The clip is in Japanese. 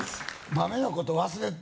「豆のこと忘れてた」